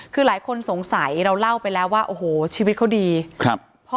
คือหลายคนสงสัยเราเล่าไปแล้วว่าโอ้โหชีวิตเขาดีครับพ่อ